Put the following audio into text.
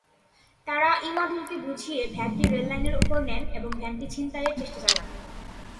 তাঁরা ইমাদুলকে বুঝিয়ে ভ্যানটি রেললাইনের ওপর নেন এবং ভ্যানটি ছিনতাইয়ের চেষ্টা চালান।